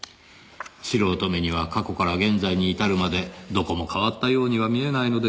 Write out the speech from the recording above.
素人目には過去から現在に至るまでどこも変わったようには見えないのですがね